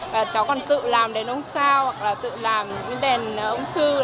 và cháu còn tự làm đèn ôm sao tự làm đèn ôm sư